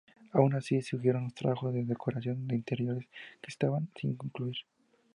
Aun así, siguieron los trabajos de decoración de interiores que estaban sin concluir.